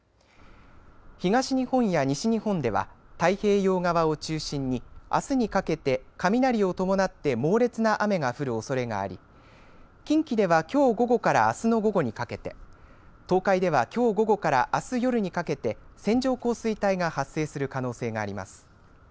東日本や西日本では太平洋側を中心にあすにかけて雷を伴って猛烈な雨が降るおそれがあり近畿では、きょう午後からあすの午後にかけて、東海ではきょう午後からあす夜にかけて線状降水帯が発生する可能性があります。